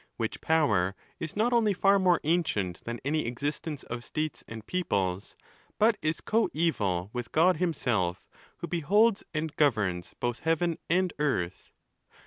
Which power is not only far more ancient than any existence of states and peoples, but is coeval with God himself, who beholds and governs both heaven and earth.